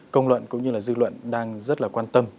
công luận cũng như là dư luận đang rất là quan tâm